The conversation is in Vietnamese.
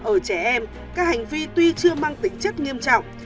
ở trẻ em các hành vi tuy chưa mang tính chất nghiêm trọng